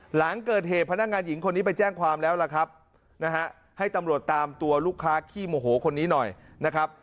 หลังเกิดเหตุพนักงานหญิงคนนี้ไปแจ้งความแล้วล่ะครับนะฮะให้ตำรวจตามตัวลูกค้าขี้โมโหคนนี้หน่อยนะครับ